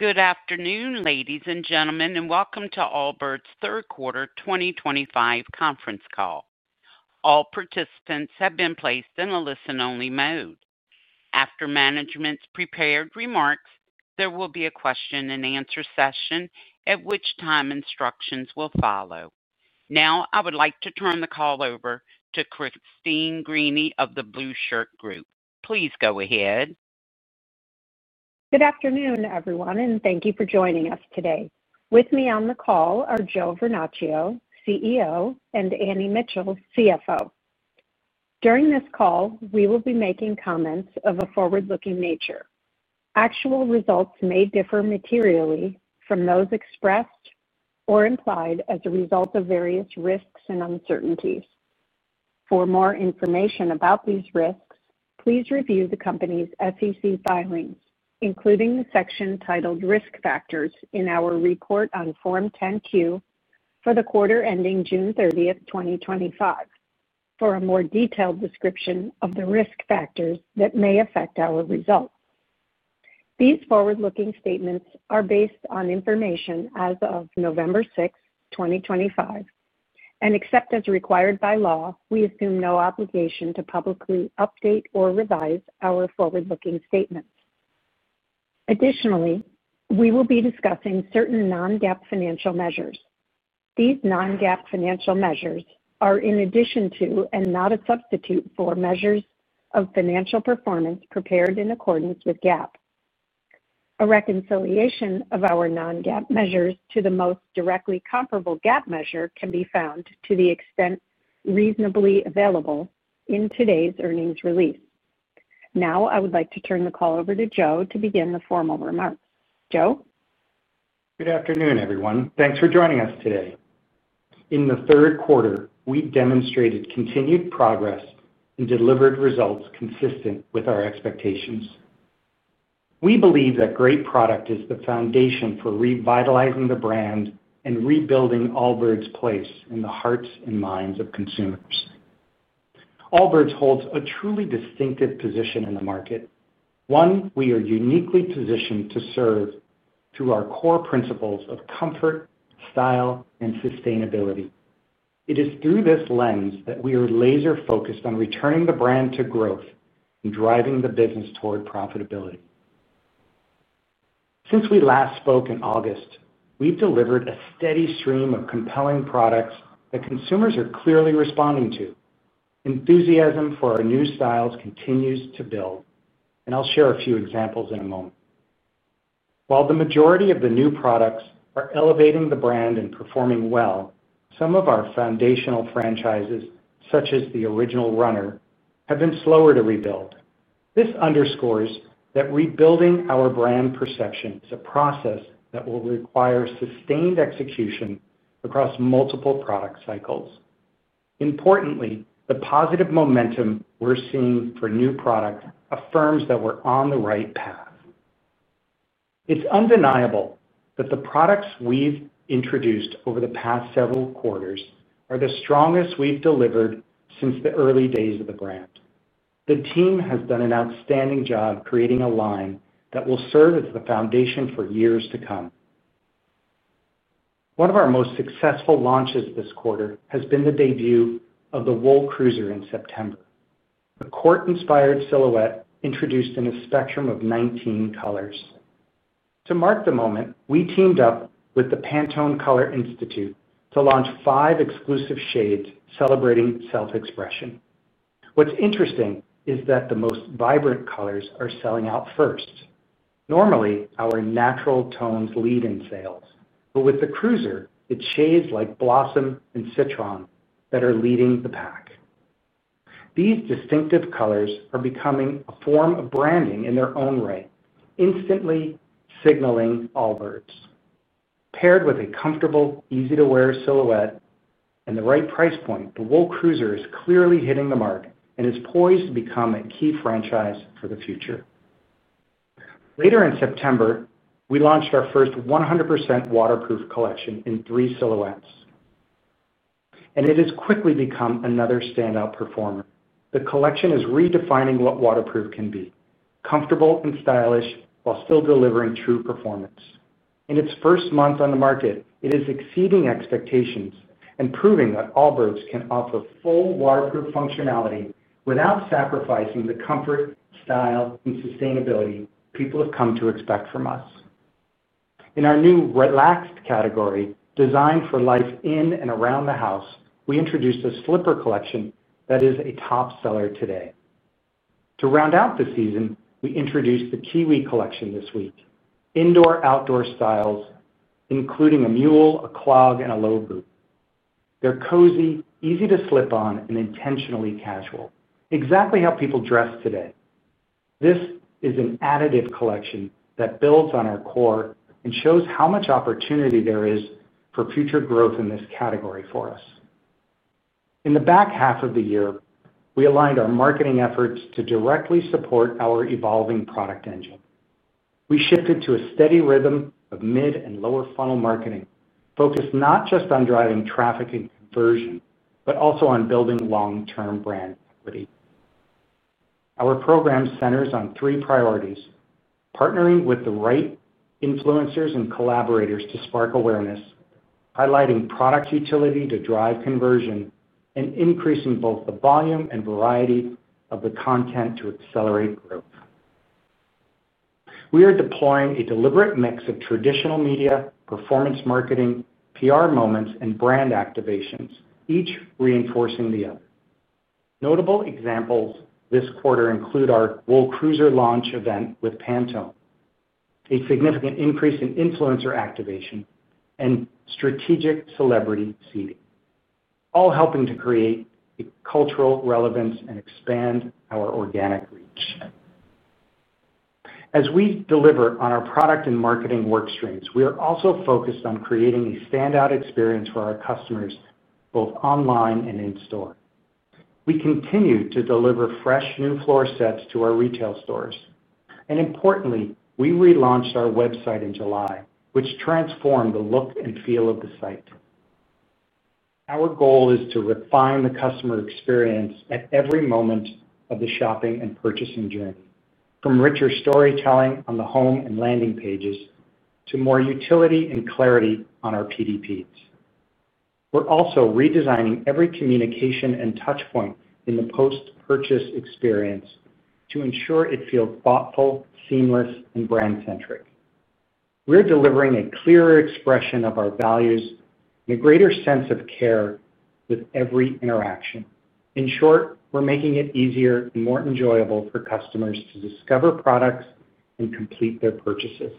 Good afternoon, ladies and gentlemen, and welcome to Allbirds third quarter 2025 conference call. All participants have been placed in a listen-only mode. After management's prepared remarks, there will be a question-and-answer session, at which time instructions will follow. Now, I would like to turn the call over to Christine Greany of The Blue Shirt Group. Please go ahead. Good afternoon, everyone, and thank you for joining us today. With me on the call are Joe Vernachio, CEO, and Annie Mitchell, CFO. During this call, we will be making comments of a forward-looking nature. Actual results may differ materially from those expressed or implied as a result of various risks and uncertainties. For more information about these risks, please review the company's SEC filings, including the section titled Risk Factors, in our report on Form 10-Q for the quarter ending June 30th, 2025, for a more detailed description of the risk factors that may affect our results. These forward-looking statements are based on information as of November 6th, 2025. Except as required by law, we assume no obligation to publicly update or revise our forward-looking statements. Additionally, we will be discussing certain non-GAAP financial measures. These non-GAAP financial measures are in addition to and not a substitute for measures of financial performance prepared in accordance with GAAP. A reconciliation of our non-GAAP measures to the most directly comparable GAAP measure can be found to the extent reasonably available in today's earnings release. Now, I would like to turn the call over to Joe to begin the formal remarks. Joe. Good afternoon, everyone. Thanks for joining us today. In the third quarter, we demonstrated continued progress and delivered results consistent with our expectations. We believe that great product is the foundation for revitalizing the brand and rebuilding Allbirds' place in the hearts and minds of consumers. Allbirds holds a truly distinctive position in the market. One, we are uniquely positioned to serve through our core principles of comfort, style, and sustainability. It is through this lens that we are laser-focused on returning the brand to growth and driving the business toward profitability. Since we last spoke in August, we've delivered a steady stream of compelling products that consumers are clearly responding to. Enthusiasm for our new styles continues to build, and I'll share a few examples in a moment. While the majority of the new products are elevating the brand and performing well, some of our foundational franchises, such as the Original Runner, have been slower to rebuild. This underscores that rebuilding our brand perception is a process that will require sustained execution across multiple product cycles. Importantly, the positive momentum we're seeing for new products affirms that we're on the right path. It's undeniable that the products we've introduced over the past several quarters are the strongest we've delivered since the early days of the brand. The team has done an outstanding job creating a line that will serve as the foundation for years to come. One of our most successful launches this quarter has been the debut of the Wool Cruiser in September. A court-inspired silhouette introduced in a spectrum of 19 colors. To mark the moment, we teamed up with the Pantone Color Institute to launch five exclusive shades celebrating self-expression. What's interesting is that the most vibrant colors are selling out first. Normally, our natural tones lead in sales, but with the Cruiser, it's shades like Blossom and Citron that are leading the pack. These distinctive colors are becoming a form of branding in their own right, instantly signaling Allbirds. Paired with a comfortable, easy-to-wear silhouette and the right price point, the Wool Cruiser is clearly hitting the mark and is poised to become a key franchise for the future. Later in September, we launched our first 100% waterproof collection in three silhouettes. It has quickly become another standout performer. The collection is redefining what waterproof can be: comfortable and stylish while still delivering true performance. In its first month on the market, it is exceeding expectations and proving that Allbirds can offer full waterproof functionality without sacrificing the comfort, style, and sustainability people have come to expect from us. In our new Relaxed category, designed for life in and around the house, we introduced a Slipper Collection that is a top seller today. To round out the season, we introduced the Kiwi collection this week: indoor/outdoor styles, including a mule, a clog, and a low boot. They're cozy, easy to slip on, and intentionally casual, exactly how people dress today. This is an additive collection that builds on our core and shows how much opportunity there is for future growth in this category for us. In the back half of the year, we aligned our marketing efforts to directly support our evolving product engine. We shifted to a steady rhythm of mid and lower funnel marketing, focused not just on driving traffic and conversion, but also on building long-term brand equity. Our program centers on three priorities: partnering with the right influencers and collaborators to spark awareness, highlighting product utility to drive conversion, and increasing both the volume and variety of the content to accelerate growth. We are deploying a deliberate mix of traditional media, performance marketing, PR moments, and brand activations, each reinforcing the other. Notable examples this quarter include our Wool Cruiser launch event with Pantone, a significant increase in influencer activation, and strategic celebrity seating, all helping to create a cultural relevance and expand our organic reach. As we deliver on our product and marketing work streams, we are also focused on creating a standout experience for our customers, both online and in store. We continue to deliver fresh new floor sets to our retail stores. Importantly, we relaunched our website in July, which transformed the look and feel of the site. Our goal is to refine the customer experience at every moment of the shopping and purchasing journey, from richer storytelling on the home and landing pages to more utility and clarity on our PDPs. We're also redesigning every communication and touchpoint in the post-purchase experience to ensure it feels thoughtful, seamless, and brand-centric. We're delivering a clearer expression of our values and a greater sense of care with every interaction. In short, we're making it easier and more enjoyable for customers to discover products and complete their purchases.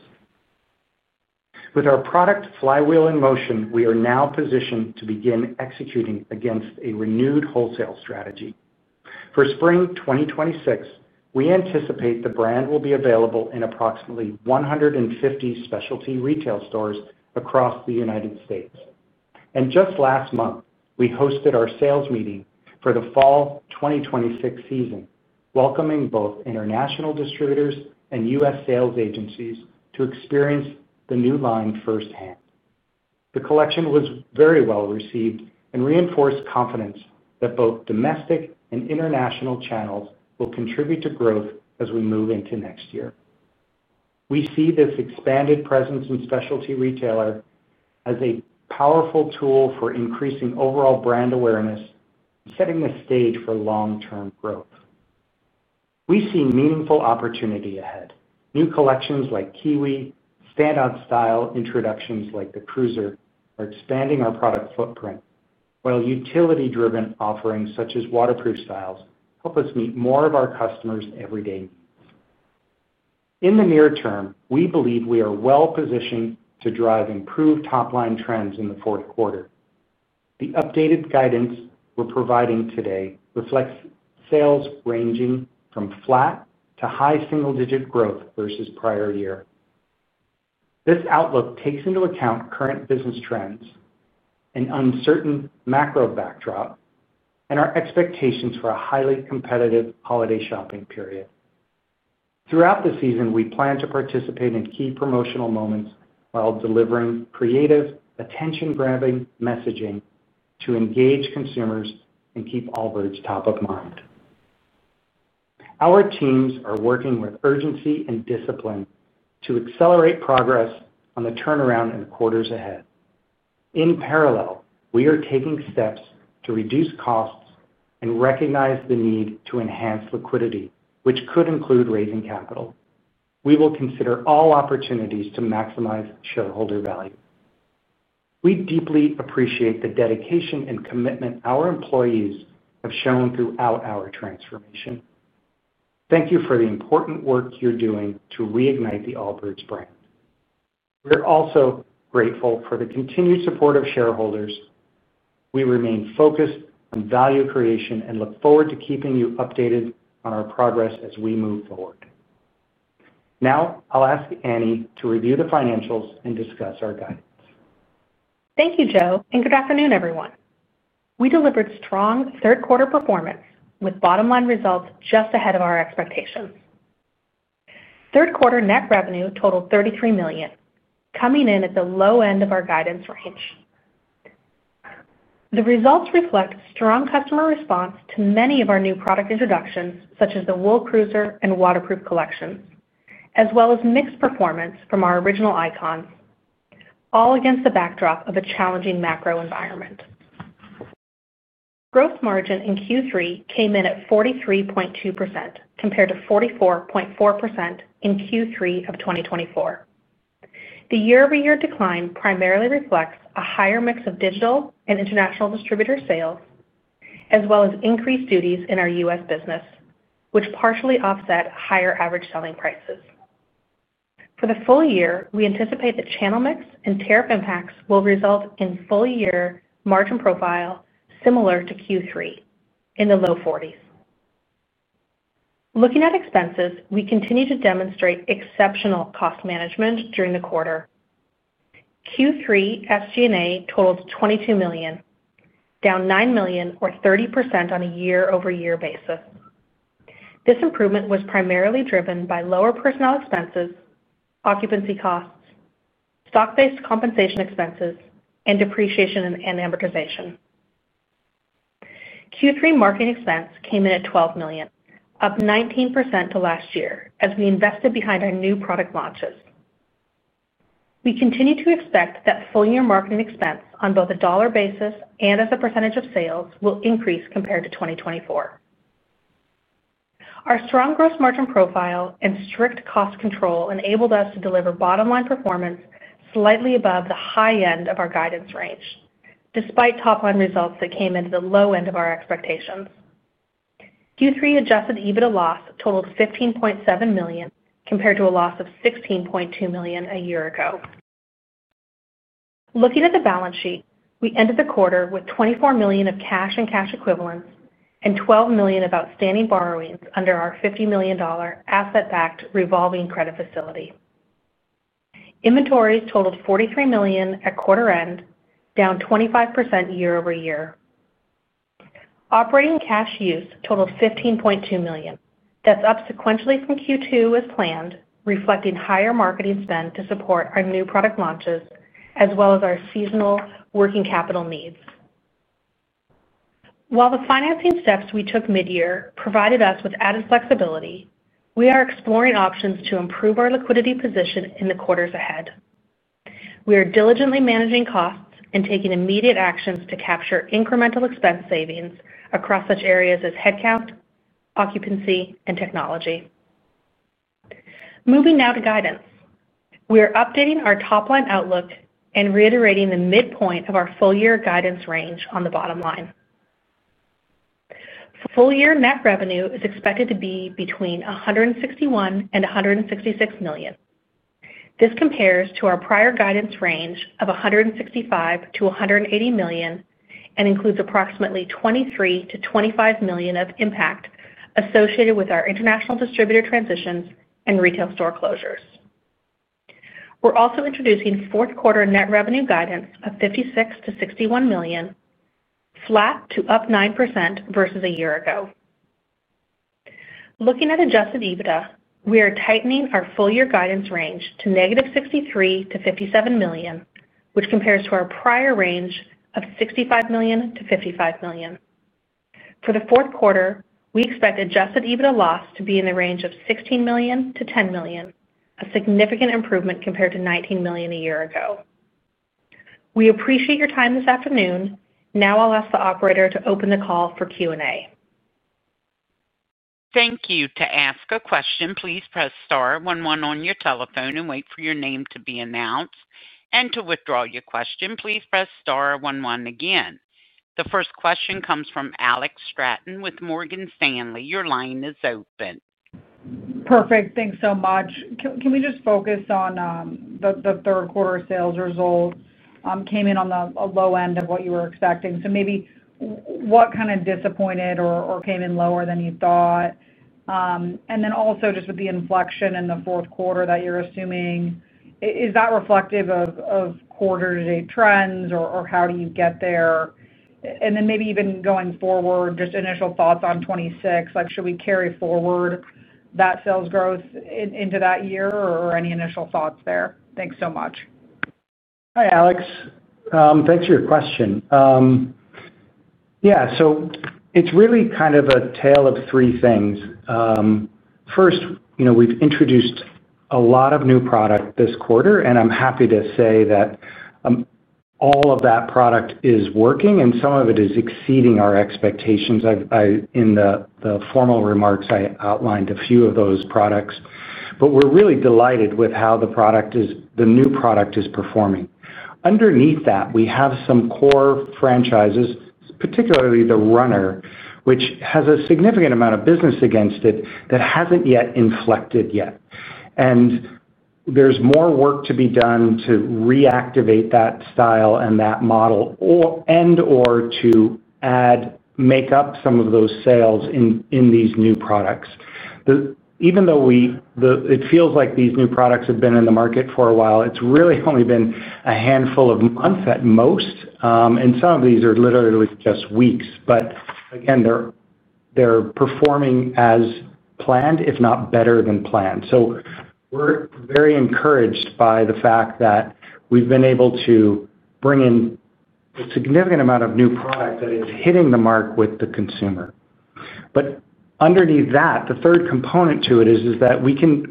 With our product flywheel in motion, we are now positioned to begin executing against a renewed wholesale strategy. For spring 2026, we anticipate the brand will be available in approximately 150 specialty retail stores across the United States. Just last month, we hosted our sales meeting for the fall 2026 season, welcoming both international distributors and U.S. sales agencies to experience the new line firsthand. The collection was very well received and reinforced confidence that both domestic and international channels will contribute to growth as we move into next year. We see this expanded presence in specialty retailers as a powerful tool for increasing overall brand awareness and setting the stage for long-term growth. We see meaningful opportunity ahead. New collections like Kiwi, standout style introductions like the Cruiser, are expanding our product footprint, while utility-driven offerings such as waterproof styles help us meet more of our customers' everyday needs. In the near term, we believe we are well-positioned to drive improved top-line trends in the fourth quarter. The updated guidance we're providing today reflects sales ranging from flat to high single-digit growth versus prior year. This outlook takes into account current business trends, an uncertain macro backdrop, and our expectations for a highly competitive holiday shopping period. Throughout the season, we plan to participate in key promotional moments while delivering creative, attention-grabbing messaging to engage consumers and keep Allbirds top of mind. Our teams are working with urgency and discipline to accelerate progress on the turnaround in the quarters ahead. In parallel, we are taking steps to reduce costs and recognize the need to enhance liquidity, which could include raising capital. We will consider all opportunities to maximize shareholder value. We deeply appreciate the dedication and commitment our employees have shown throughout our transformation. Thank you for the important work you're doing to reignite the Allbirds brand. We're also grateful for the continued support of shareholders. We remain focused on value creation and look forward to keeping you updated on our progress as we move forward. Now, I'll ask Annie to review the financials and discuss our guidance. Thank you, Joe, and good afternoon, everyone. We delivered strong third-quarter performance with bottom-line results just ahead of our expectations. Third-quarter net revenue totaled $33 million, coming in at the low end of our guidance range. The results reflect strong customer response to many of our new product introductions, such as the Wool Cruiser and Waterproof Collection, as well as mixed performance from our original icons, all against the backdrop of a challenging macro environment. Gross margin in Q3 came in at 43.2% compared to 44.4% in Q3 of 2024. The year-over-year decline primarily reflects a higher mix of digital and international distributor sales, as well as increased duties in our U.S. business, which partially offset higher average selling prices. For the full year, we anticipate the channel mix and tariff impacts will result in a full-year margin profile similar to Q3, in the low 40s. Looking at expenses, we continue to demonstrate exceptional cost management during the quarter. Q3 SG&A totaled $22 million, down $9 million, or 30% on a year-over-year basis. This improvement was primarily driven by lower personnel expenses, occupancy costs, stock-based compensation expenses, and depreciation and amortization. Q3 marketing expense came in at $12 million, up 19% to last year, as we invested behind our new product launches. We continue to expect that full-year marketing expense on both a dollar basis and as a percentage of sales will increase compared to 2024. Our strong gross margin profile and strict cost control enabled us to deliver bottom-line performance slightly above the high end of our guidance range, despite top-line results that came into the low end of our expectations. Q3 Adjusted EBITDA loss totaled $15.7 million compared to a loss of $16.2 million a year ago. Looking at the balance sheet, we ended the quarter with $24 million of cash and cash equivalents and $12 million of outstanding borrowings under our $50 million asset-backed revolving credit facility. Inventories totaled $43 million at quarter end, down 25% year-over-year. Operating cash use totaled $15.2 million. That's up sequentially from Q2 as planned, reflecting higher marketing spend to support our new product launches as well as our seasonal working capital needs. While the financing steps we took mid-year provided us with added flexibility, we are exploring options to improve our liquidity position in the quarters ahead. We are diligently managing costs and taking immediate actions to capture incremental expense savings across such areas as headcount, occupancy, and technology. Moving now to guidance, we are updating our top-line outlook and reiterating the midpoint of our full-year guidance range on the bottom line. Full-year net revenue is expected to be between $161 million and $166 million. This compares to our prior guidance range of $165 million-$180 million and includes approximately $23 million-$25 million of impact associated with our international distributor transitions and retail store closures. We're also introducing fourth quarter net revenue guidance of $56 million-$61 million, flat to up 9% versus a year ago. Looking at Adjusted EBITDA, we are tightening our full-year guidance range to -$63 million-$57 million, which compares to our prior range of $65 million-$55 million. For the fourth quarter, we expect Adjusted EBITDA loss to be in the range of $16 million-$10 million, a significant improvement compared to $19 million a year ago. We appreciate your time this afternoon. Now I'll ask the operator to open the call for Q&A. Thank you. To ask a question, please press star one one on your telephone and wait for your name to be announced. To withdraw your question, please press star one one again. The first question comes from Alex Straton with Morgan Stanley. Your line is open. Perfect. Thanks so much. Can we just focus on the third-quarter sales results? Came in on the low end of what you were expecting. Maybe what kind of disappointed or came in lower than you thought? Also, just with the inflection in the fourth quarter that you're assuming, is that reflective of quarter-to-date trends, or how do you get there? Maybe even going forward, just initial thoughts on 2026. Should we carry forward that sales growth into that year? Or any initial thoughts there? Thanks so much. Hi, Alex. Thanks for your question. Yeah. It's really kind of a tale of three things. First, we've introduced a lot of new product this quarter, and I'm happy to say that all of that product is working, and some of it is exceeding our expectations. In the formal remarks, I outlined a few of those products. We're really delighted with how the new product is performing. Underneath that, we have some core franchises, particularly the Runner, which has a significant amount of business against it that hasn't yet inflected yet. There's more work to be done to reactivate that style and that model, and/or to make up some of those sales in these new products. Even though it feels like these new products have been in the market for a while, it's really only been a handful of months at most. Some of these are literally just weeks. They are performing as planned, if not better than planned. We are very encouraged by the fact that we have been able to bring in a significant amount of new product that is hitting the mark with the consumer. Underneath that, the third component to it is that we can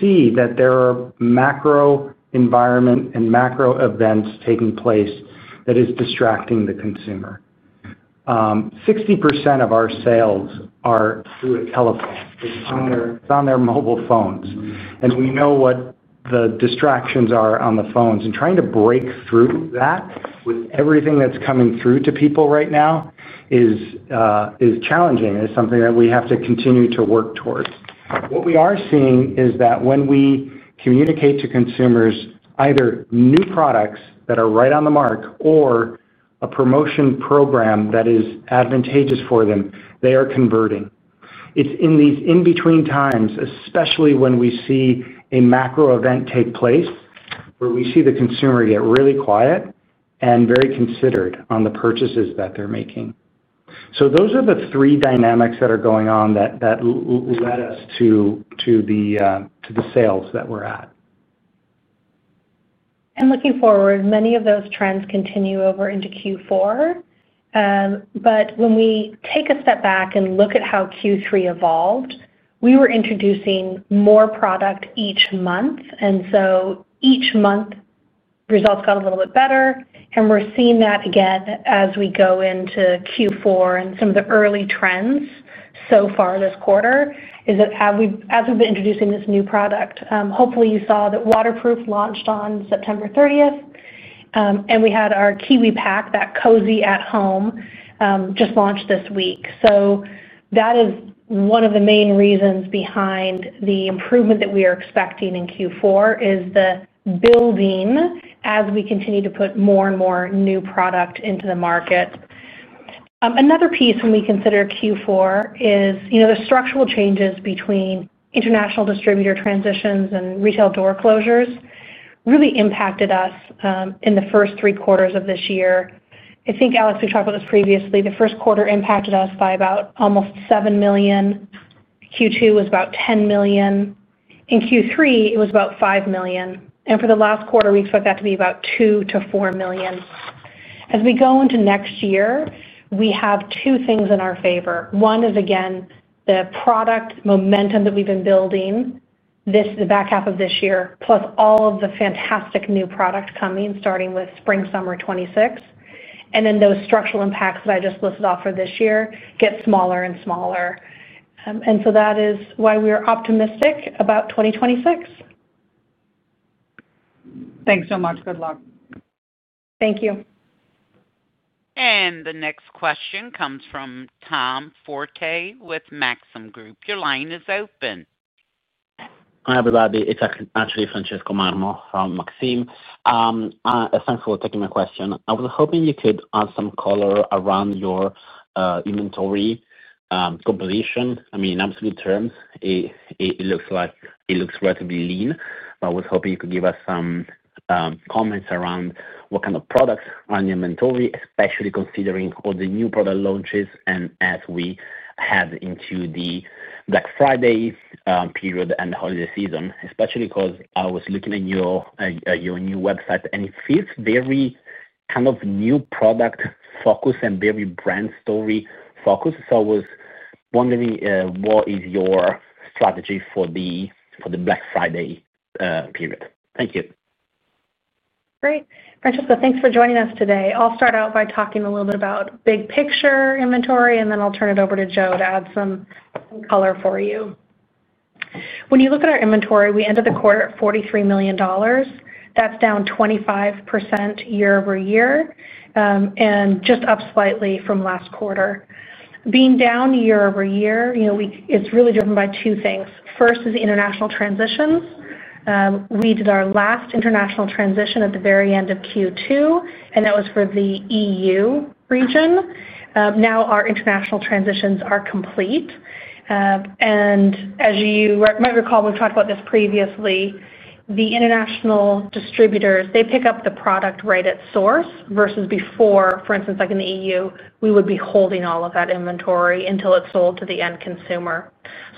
see that there are macro environment and macro events taking place that are distracting the consumer. 60% of our sales are through a telephone. It is on their mobile phones. We know what the distractions are on the phones. Trying to break through that with everything that is coming through to people right now is challenging and is something that we have to continue to work towards. What we are seeing is that when we communicate to consumers either new products that are right on the mark or a promotion program that is advantageous for them, they are converting. It is in these in-between times, especially when we see a macro event take place, where we see the consumer get really quiet and very considered on the purchases that they are making. Those are the three dynamics that are going on that led us to the sales that we are at. Looking forward, many of those trends continue over into Q4. When we take a step back and look at how Q3 evolved, we were introducing more product each month. Each month, results got a little bit better. We are seeing that again as we go into Q4, and some of the early trends so far this quarter are that as we have been introducing this new product, hopefully, you saw that Waterproof launched on September 30th. We had our Kiwi collection, that cozy at home, just launched this week. That is one of the main reasons behind the improvement that we are expecting in Q4, the building as we continue to put more and more new product into the market. Another piece when we consider Q4 is the structural changes between. International distributor transitions and retail door closures really impacted us in the first three quarters of this year. I think, Alex, we talked about this previously. The first quarter impacted us by about almost $7 million. Q2 was about $10 million. In Q3, it was about $5 million. For the last quarter, we expect that to be about $2 million-$4 million. As we go into next year, we have two things in our favor. One is, again, the product momentum that we've been building. The back half of this year, plus all of the fantastic new product coming, starting with spring/summer 2026. Those structural impacts that I just listed off for this year get smaller and smaller. That is why we are optimistic about 2026. Thanks so much. Good luck. Thank you. The next question comes from Tom Forte with Maxim Group. Your line is open. Hi, everybody. It's actually Francesco Marmo from Maxim. Thanks for taking my question. I was hoping you could add some color around your inventory completion. I mean, in absolute terms, it looks relatively lean. I was hoping you could give us some comments around what kind of products are in the inventory, especially considering all the new product launches and as we head into the Black Friday period and the holiday season, especially because I was looking at your new website, and it feels very kind of new product focus and very brand story focus. I was wondering what is your strategy for the Black Friday period. Thank you. Great. Francesco, thanks for joining us today. I'll start out by talking a little bit about big picture inventory, and then I'll turn it over to Joe to add some color for you. When you look at our inventory, we ended the quarter at $43 million. That's down 25% year-over-year and just up slightly from last quarter. Being down year-over-year, it's really driven by two things. First is international transitions. We did our last international transition at the very end of Q2, and that was for the EU region. Now our international transitions are complete. As you might recall, we've talked about this previously, the international distributors, they pick up the product right at source versus before. For instance, like in the EU, we would be holding all of that inventory until it's sold to the end consumer.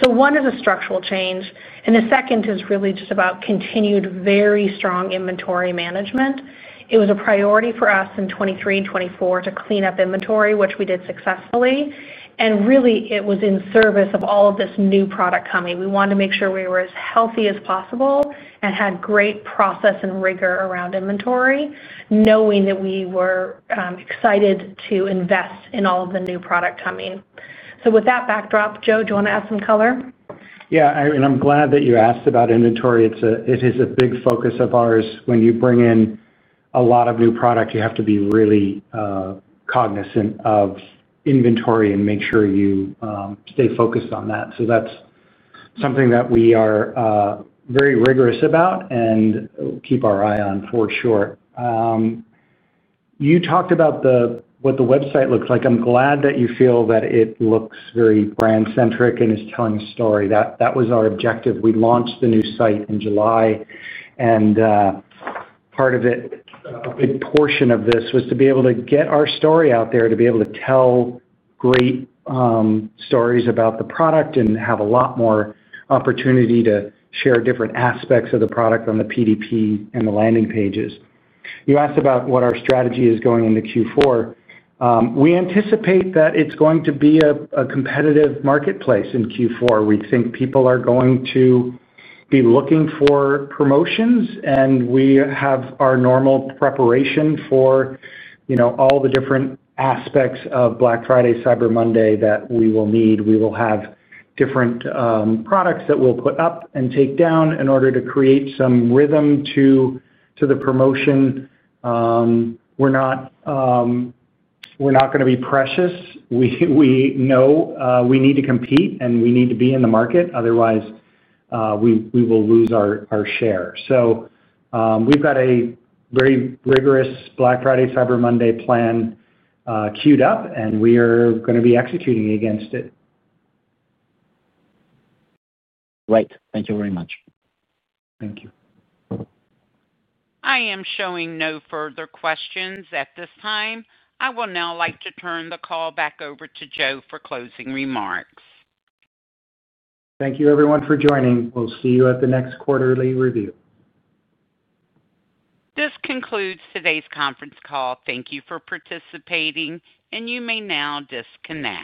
One is a structural change. The second is really just about continued very strong inventory management. It was a priority for us in 2023 and 2024 to clean up inventory, which we did successfully. It was in service of all of this new product coming. We wanted to make sure we were as healthy as possible and had great process and rigor around inventory, knowing that we were excited to invest in all of the new product coming. With that backdrop, Joe, do you want to add some color? Yeah. I'm glad that you asked about inventory. It is a big focus of ours. When you bring in a lot of new product, you have to be really cognizant of inventory and make sure you stay focused on that. That's something that we are very rigorous about and keep our eye on for sure. You talked about what the website looks like. I'm glad that you feel that it looks very brand-centric and is telling a story. That was our objective. We launched the new site in July. Part of it, a big portion of this, was to be able to get our story out there, to be able to tell great stories about the product and have a lot more opportunity to share different aspects of the product on the PDP and the landing pages. You asked about what our strategy is going into Q4. We anticipate that it's going to be a competitive marketplace in Q4. We think people are going to be looking for promotions, and we have our normal preparation for all the different aspects of Black Friday, Cyber Monday that we will need. We will have different products that we'll put up and take down in order to create some rhythm to the promotion. We're not going to be precious. We know we need to compete, and we need to be in the market. Otherwise, we will lose our share. So we've got a very rigorous Black Friday, Cyber Monday plan queued up, and we are going to be executing against it. Great. Thank you very much. Thank you. I am showing no further questions at this time. I would now like to turn the call back over to Joe for closing remarks. Thank you, everyone, for joining. We'll see you at the next quarterly review. This concludes today's conference call. Thank you for participating, and you may now disconnect.